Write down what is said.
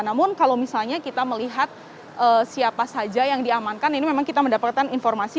namun kalau misalnya kita melihat siapa saja yang diamankan ini memang kita mendapatkan informasi